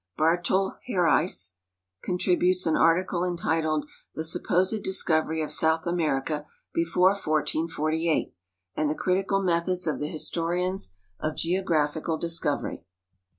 Bartalhareis contributes aii article entitled "The Supposed Discovery of South America Before 1448 and the Critical Methods of the Historians of Geographical Discovery."